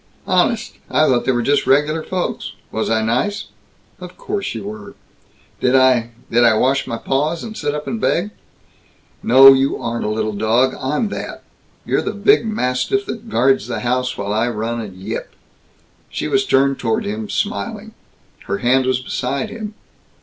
"Honest? I thought they were just regular folks. Was I nice?" "Of course you were." "Did I did I wash my paws and sit up and beg?" "No, you aren't a little dog. I'm that. You're the big mastiff that guards the house, while I run and yip." She was turned toward him, smiling. Her hand was beside him.